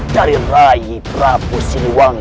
dari rai prabu siniwang